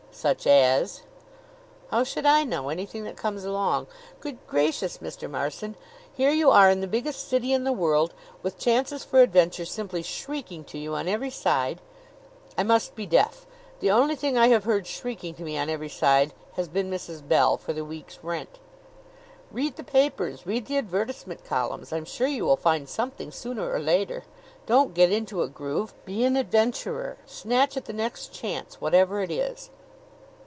"Such as?" "How should I know? Anything that comes along. Good gracious, Mr. Marson; here you are in the biggest city in the world, with chances for adventure simply shrieking to you on every side." "I must be deaf. The only thing I have heard shrieking to me on every side has been Mrs. Bell for the week's rent." "Read the papers. Read the advertisement columns. I'm sure you will find something sooner or later. Don't get into a groove. Be an adventurer. Snatch at the next chance, whatever it is."